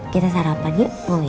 kita sarapan yuk mau ya